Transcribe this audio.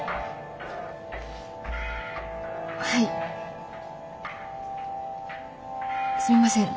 はいすみません